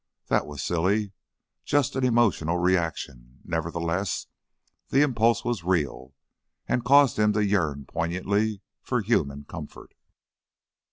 That was silly, just an emotional reaction; nevertheless, the impulse was real and caused him to yearn poignantly for human comfort.